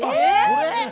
これ！？